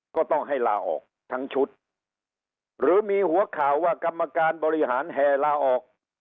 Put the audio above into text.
ก็ต้องให้ลาออกทั้งชุดหรือมีหัวข่าวว่ากรรมการบริหารแห่ลาออก